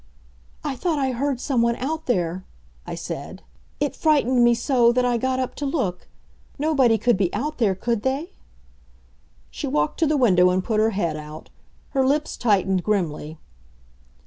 "I thought I heard some one out there," I said. "It frightened me so that I got up to look. Nobody could be out there, could they?" She walked to the window and put her head out. Her lips tightened grimly.